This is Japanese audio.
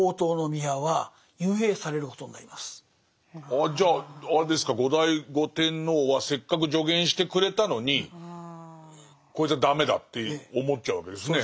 それもあってああじゃああれですか後醍醐天皇はせっかく助言してくれたのにこいつは駄目だって思っちゃうわけですね。